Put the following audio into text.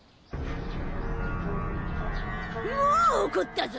もう怒ったぞ。